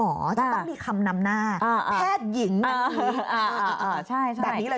มันต้องมีคำนำหน้าแพทย์หญิงนั้นดี